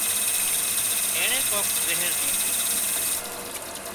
اينڻي ڪانڪ زهر ليڌُون